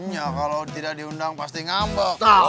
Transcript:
ya kalau tidak diundang pasti ngambek